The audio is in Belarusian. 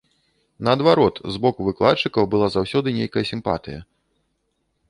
Наадварот, з боку выкладчыкаў была заўсёды нейкая сімпатыя.